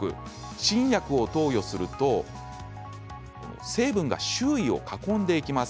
新薬を投与すると成分が周囲を囲んでいきます。